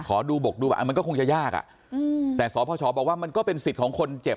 ขอดูบกดูมันก็คงจะยากอ่ะอืมแต่สพชบอกว่ามันก็เป็นสิทธิ์ของคนเจ็บ